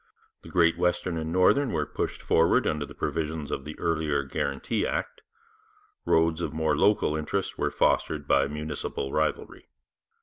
The Great Western and the Northern were pushed forward under the provisions of the earlier Guarantee Act; roads of more local interest were fostered by municipal rivalry.